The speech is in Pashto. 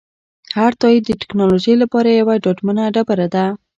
هر تایید د ټکنالوژۍ لپاره یوه ډاډمنه ډبره ده.